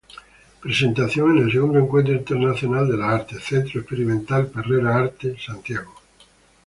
Presentación en el Segundo Encuentro Internacional de las Artes, Centro Experimental Perrera Arte, Santiago.